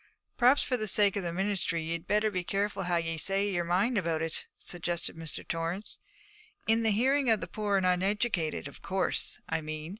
'Perhaps for the sake of the ministry ye'd better be careful how ye say your mind about it,' suggested Mr. Torrance; 'in the hearing of the poor and uneducated, of course, I mean.